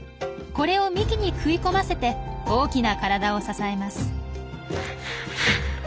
これを幹に食い込ませて大きな体を支えます。